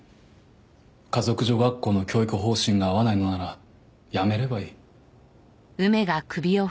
華族女学校の教育方針が合わないのなら辞めればいい。